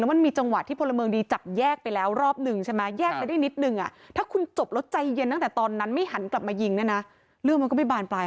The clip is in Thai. แล้วมันมีจังหวะที่พลเมิงดีจับแยกไปแล้วรอบนึงใช่ไหม